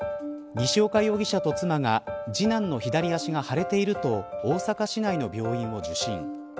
西岡容疑者と妻が、次男の左足が腫れていると大阪市内の病院を受診。